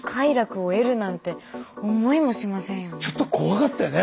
ちょっと怖かったよね